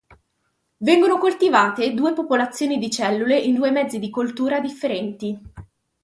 Vengono coltivate due popolazioni di cellule in due mezzi di coltura differenti.